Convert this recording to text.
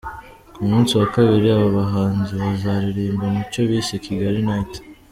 Ku munsi wa kabiri aba bahanzi bazaririmba mu cyo bise Kigali Night.